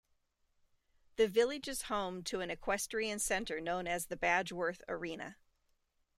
The village is home to an equestrian centre known as the Badgworth Arena.